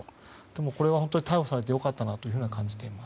これは逮捕されて良かったなと感じています。